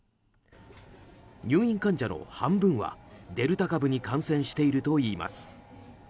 入院患者の半分はデルタ株に感染しているといいます。